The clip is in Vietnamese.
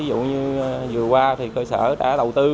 vừa qua cơ sở đã đầu tư